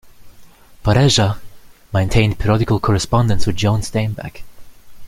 Pareja maintained periodical correspondence with John Steinbeck.